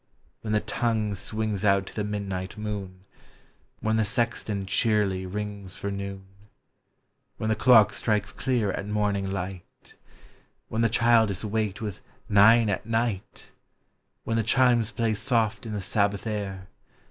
When the tongue swings out to the midnight moon, When the sexton cheerly rings for noon, When the clock strikes clear at morning light, When the child is waked with " nine at night," When the chimes play soft in the Sabbath air.